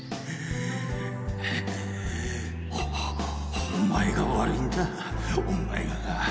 おお前が悪いんだお前が。